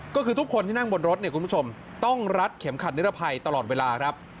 ก็คือทุกคนที่นั่งบนรถเนี่ยคุณผู้ชมต้องรัดเข็มขัดนิรภัยตลอดเวลาครับ